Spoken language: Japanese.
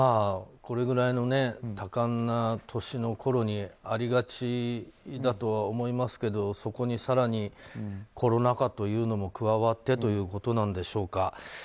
これぐらいの多感な年のころにありがちだとは思いますけどそこに更にコロナ禍というのも加わってということでしょうか。